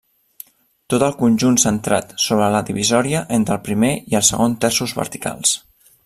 Tot el conjunt centrat sobre la divisòria entre el primer i el segon terços verticals.